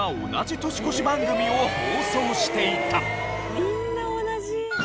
みんな同じ。